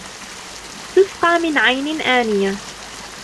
تُسقى مِن عَينٍ آنِيَةٍ